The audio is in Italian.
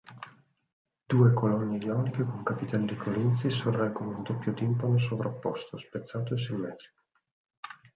Due colonne ioniche con capitelli corinzi sorreggono un doppio timpano sovrapposto, spezzato e simmetrico.